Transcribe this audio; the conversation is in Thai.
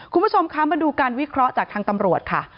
คุณผู้ชมคะมาดูการวิเคราะห์จากทางตำรวจค่ะ